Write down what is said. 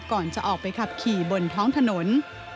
ก่อนจะออกไปขับขี่บนท้องถนน